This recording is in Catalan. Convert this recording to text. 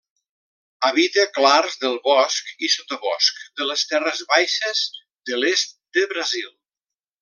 Habita clars del bosc i sotabosc de les terres baixes de l'est de Brasil.